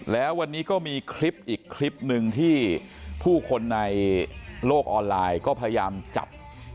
แล้ววันนี้ก็มีคลิปอีกคลิปหนึ่งที่ผู้คนในโลกออนไลน์ก็พยายามจับ